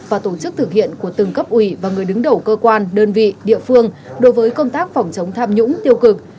và tổ chức thực hiện của từng cấp ủy và người đứng đầu cơ quan đơn vị địa phương đối với công tác phòng chống tham nhũng tiêu cực